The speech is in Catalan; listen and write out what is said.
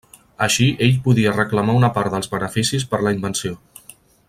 Així, ell podia reclamar una part dels beneficis per la invenció.